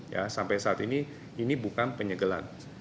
ya sampai saat ini ini bukan penyegelan